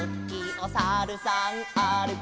「おさるさんあるき」